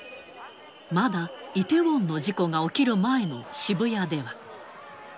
まだイテウォンの事故が起きる前の渋谷では。